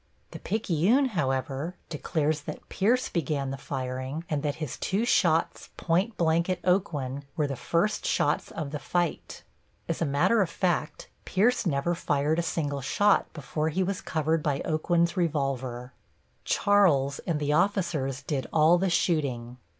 The Picayune, however, declares that Pierce began the firing and that his two shots point blank at Aucoin were the first shots of the fight. As a matter of fact, Pierce never fired a single shot before he was covered by Aucoin's revolver. Charles and the officers did all the shooting.